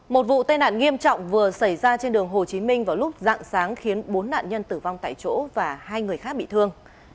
một vụ tai nạn nghiêm trọng vừa xảy ra trên đường hồ chí minh vào lúc dạng sáng khiến bốn nạn nhân tử vong tại chỗ và hai người khác bị thương